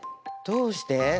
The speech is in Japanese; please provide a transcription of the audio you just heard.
どうして？